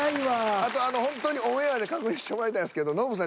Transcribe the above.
あとほんとにオンエアで確認してもらいたいんですけどノブさん